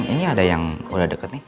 ini ada yang udah deket nih